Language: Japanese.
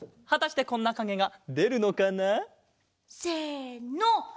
はたしてこんなかげがでるのかな？せの！